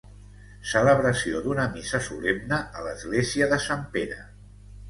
Celebració d'una missa solemne a l'església de Sant Pere.